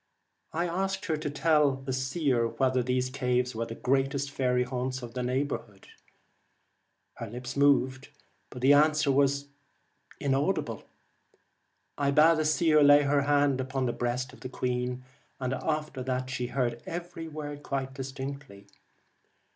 I asked her to tell the seer whether these caves were the greatest faery haunts in the neighbourhood. Her lips moved, but the answer was inaudible. I bade the seer lay her hand upon the breast of the queen, and after that she heard every word quite distinctly.